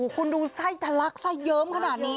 คุณดูไส้ทะลักไส้เยิ้มขนาดนี้